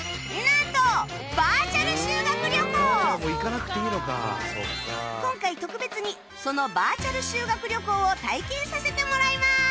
なんと今回特別にそのバーチャル修学旅行を体験させてもらいます！